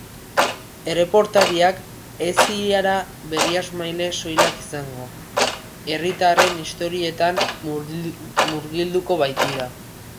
Erreportariak ez dira berriemaile soilak izango, herritarren istorioetan murgilduko baitira.